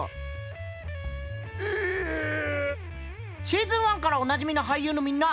シーズン１からおなじみの俳優のみんな！